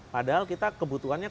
padahal kita kebutuhannya